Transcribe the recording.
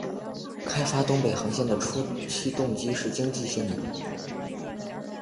开发东北航线的初期动机是经济性的。